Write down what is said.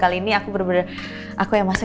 kali ini aku bener bener aku yang masih